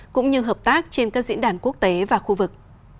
cũng như hợp tác trên các diễn đàn quốc tế và khu vực